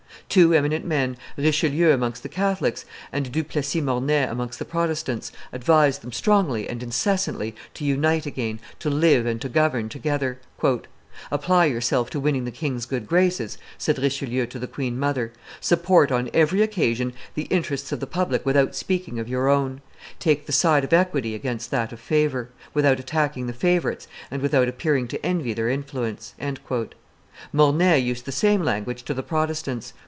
Two eminent men, Richelieu amongst the Catholics and Du Plessis Mornay amongst the Protestants, advised them strongly and incessantly to unite again, to live and to govern together. "Apply yourself to winning the king's good graces," said Richelieu to the queen mother: "support on every occasion the interests of the public without speaking of your own; take the side of equity against that of favor, without attacking the favorites and without appearing to envy their influence." Mornay used the same language to the Protestants.